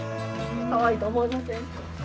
かわいいと思いません？